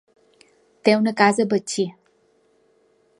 Té una casa a Betxí.